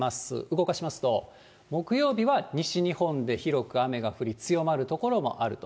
動かしますと、木曜日は西日本で広く雨が降り、強まる所もあると。